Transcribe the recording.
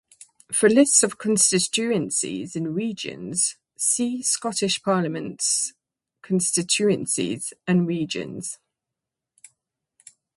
For lists of constituencies and regions, see "Scottish Parliament constituencies and regions".